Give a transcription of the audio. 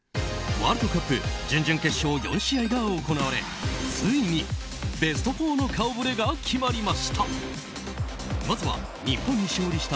ワールドカップ準々決勝４試合が行われついにベスト４の顔ぶれが決まりました。